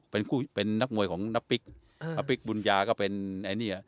เป็นคู่เป็นนักมวยของนับปริกครับนับปริกบุญญาก็เป็นไอ้เนี่ย